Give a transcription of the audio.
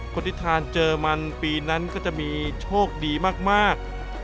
คนที่ทานเจอมันปีนั้นก็จะมีโชคดีมาก